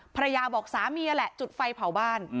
ภรรยาบอกสามีนั่นแหละจุดไฟเผาบ้าน